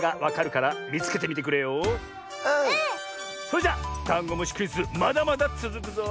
それじゃダンゴムシクイズまだまだつづくぞ！